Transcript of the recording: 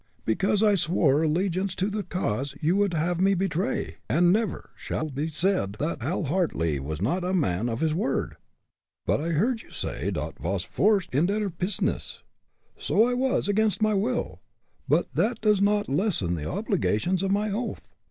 "Because I swore allegiance to the cause you would have me betray, and it never shall be said that Hal Hartly was not a man of his word!" "But I heard you say dot you vas forced inder der pizness." "So I was, against my will, but that does not lessen the obligations of my oath.